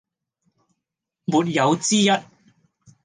沒有之一